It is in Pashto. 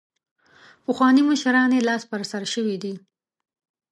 پخواني مشران یې لاس په سر شوي دي.